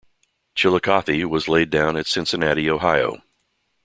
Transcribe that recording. "Chillicothe" was laid down at Cincinnati, Ohio.